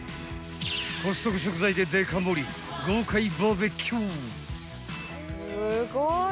コストコ食材でデカ盛り豪快バーベキュー！